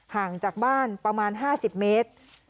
ห่างจากบ้านประมาณ๕๐เมตร